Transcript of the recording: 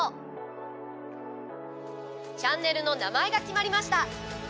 チャンネルの名前が決まりました。